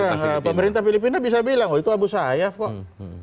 nah seperti sekarang pemerintah filipina bisa bilang oh itu abu sayyaf kok